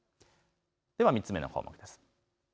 では３つ目の項目です。